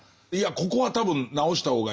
ここは多分直した方がいい。